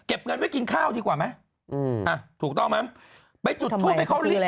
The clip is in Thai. เก็บเงินไว้กินข้าวดีกว่าไหมถูกต้องไหม